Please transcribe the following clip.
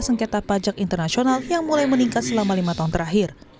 sengketa pajak internasional yang mulai meningkat selama lima tahun terakhir